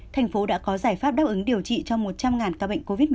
thành phố đã có giải pháp đáp ứng điều trị cho một trăm linh ca bệnh covid một mươi chín